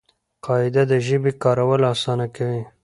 قاعده د ژبي کارول آسانه کوي.